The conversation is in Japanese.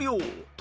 と